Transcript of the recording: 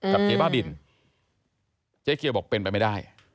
เจ๊บ้าบินเจ๊เกียวบอกเป็นไปไม่ได้